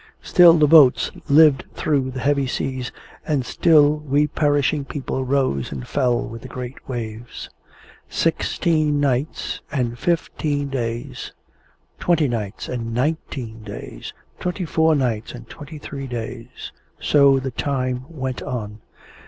Still the boats lived through the heavy seas, and still we perishing people rose and fell with the great waves. Sixteen nights and fifteen days, twenty nights and nineteen days, twenty four nights and twenty three days. So the time went on.